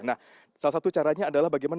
nah salah satu caranya adalah bagaimana